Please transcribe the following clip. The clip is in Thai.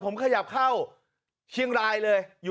ผมขยับเข้าเชียงรายเลย